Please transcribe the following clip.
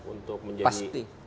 untuk menjadi pasti